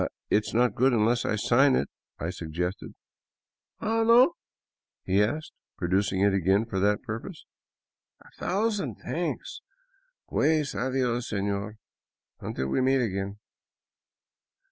" It is not good unless I sign it," I suggested. " Ah, no ?" he asked, producing it again for that purpose, " A thou sand thanks. Pues, adios, senor. Until we meet again."